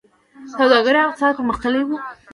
سوداګري او اقتصاد پرمختللی و